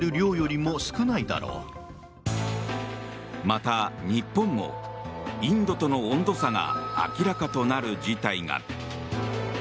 また日本もインドとの温度差が明らかとなる事態が。